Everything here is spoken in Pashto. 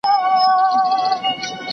¬ وږی نه يم، قدر غواړم.